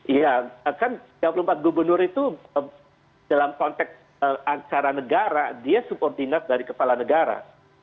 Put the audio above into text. iya kan tiga puluh empat gubernur itu dalam konteks acara negara dia subordinat dari kepala negara